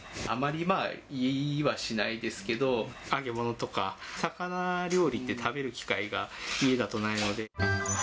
あまりまあ、言いはしないですけど、揚げ物とか、魚料理って、食べる機会が家だとないので。